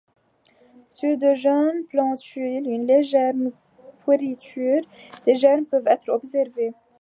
Sur de jeunes plantules, une légère pourriture des germes peut être observée.